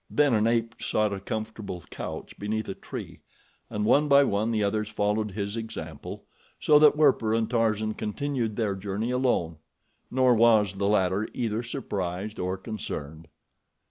Then an ape sought a comfortable couch beneath a tree, and one by one the others followed his example, so that Werper and Tarzan continued their journey alone; nor was the latter either surprised or concerned.